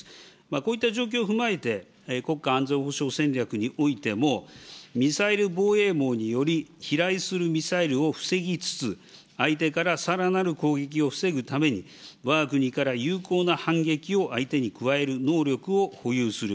こういった状況を踏まえて、国家安全保障戦略においても、ミサイル防衛網により飛来するミサイルを防ぎつつ、相手からさらなる攻撃を防ぐために、わが国から有効な反撃を相手に加える能力を保有する。